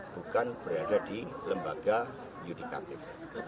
bukan berada di lembaga yudikatif